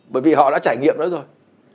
bởi vì họ đã trải nghiệm đó rồi